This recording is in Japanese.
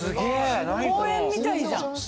公園みたいじゃん。